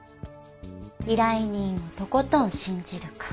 依頼人をとことん信じるか。